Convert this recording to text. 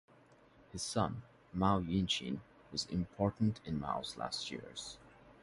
His son, Mao Yuanxin, was important in Mao's last years.